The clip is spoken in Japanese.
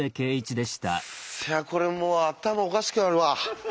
いやこれもう頭おかしくなるわ。